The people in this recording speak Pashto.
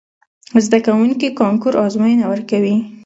زده کوونکي کانکور ازموینه ورکوي.